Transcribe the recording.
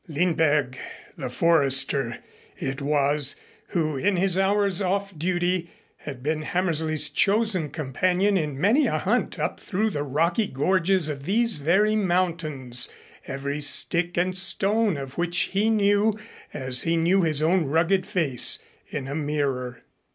Lindberg the Forester it was, who, in his hours off duty, had been Hammersley's chosen companion in many a hunt up through the rocky gorges of these very mountains, every stick and stone of which he knew as he knew his own rugged face in the mirror.